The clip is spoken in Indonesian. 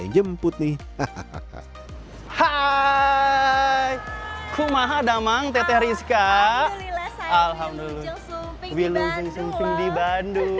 yang jemput nih hahaha hai kumaha damang teteh rizka alhamdulillah saya alhamdulillah